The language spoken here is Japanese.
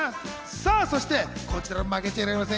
さぁ、そしてこちらも負けちゃいられません。